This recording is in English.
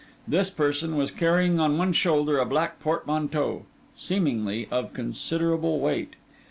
This person was carrying on one shoulder a black portmanteau, seemingly of considerable weight.